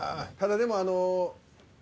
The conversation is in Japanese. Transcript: ただでもあの。